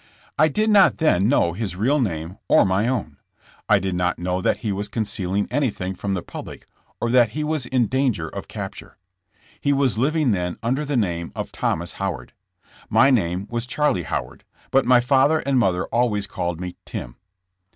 I did not then know his real name or my own. I did not know that he w^as concealing anything from the public or that he was in danger of capture. He was living then under the name of Thomas Howard. My name was Charlie Howard, but my father and mother always called me "Tim.''